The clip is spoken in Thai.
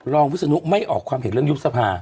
วิศนุไม่ออกความเห็นเรื่องยุบสภา